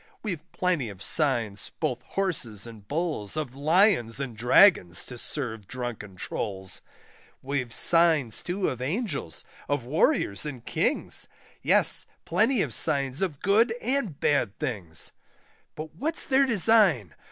We've plenty of signs, both Horses and Bulls, Of Lions and Dragons, to serve drunken Trulls; We've signs too of Angels, of Warriors and Kings Yes, plenty of signs of good and bad things. But what's their design?